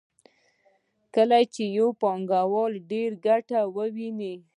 کله چې یو پانګوال ډېره ګټه وویني